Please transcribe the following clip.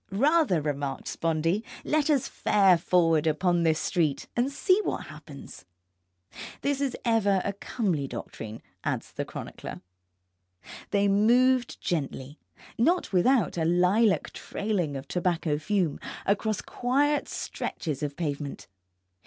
Rather, remarked Spondee, let us fare forward upon this street and see what happens. This is ever a comely doctrine, adds the chronicler. They moved gently, not without a lilac trailing of tobacco fume, across quiet stretches of pavement.